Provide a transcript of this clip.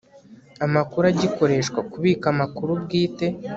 amakuru agikoreshwa kubika amakuru bwite